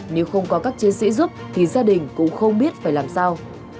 nếu không có các chiến sĩ giúp thì gia đình cũng không biết phải làm sao